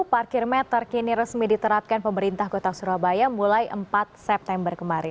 parkir meter kini resmi diterapkan pemerintah kota surabaya mulai empat september kemarin